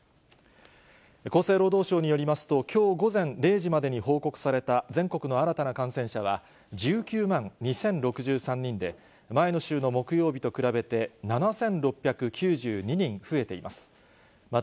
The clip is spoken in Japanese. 厚生労働省によりますと、きょう午前０時までに報告された全国の新たな感染者は、１９万２０６３ニンデ、前の週の木曜日と比べて７６９２人増えています。